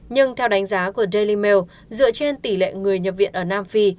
nhưng theo đánh giá của daily mail dựa trên tỷ lệ người nhập viện ở nam phi